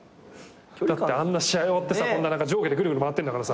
だってあんな試合終わってさこんな上下でぐるぐる回ってるんだからさ。